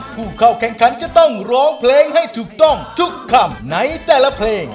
ผู้เข้าแข่งขันจะต้องร้องเพลงให้ถูกต้องทุกคำในแต่ละเพลง